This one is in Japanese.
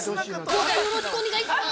◆上官、よろしくお願いします。